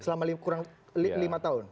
selama kurang lima tahun